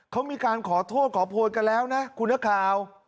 เขามีการขอโทษขอโพยกันแล้วนะคุณนักข่าว